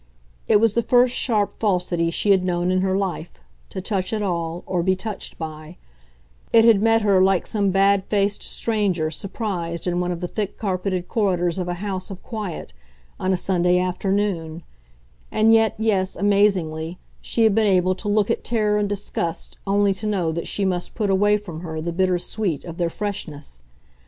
It was the first sharp falsity she had known in her life, to touch at all, or be touched by; it had met her like some bad faced stranger surprised in one of the thick carpeted corridors of a house of quiet on a Sunday afternoon; and yet, yes, amazingly, she had been able to look at terror and disgust only to know that she must put away from her the bitter sweet of their freshness.